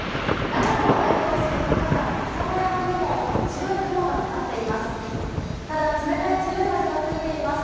長野を代表する活火山、浅間山にも白い雲がかかっています。